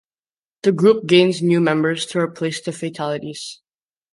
The group gains new members to replace the fatalities.